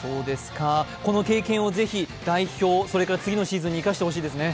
この経験をぜひ、代表そして次のシーズンに生かしてほしいですね。